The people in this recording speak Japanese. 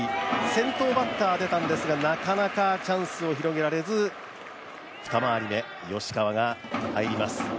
先頭バッター出たんですが、なかなかチャンスを広げられる、二回り目吉川が入ります